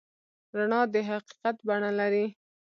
رڼا د حقیقت بڼه لري.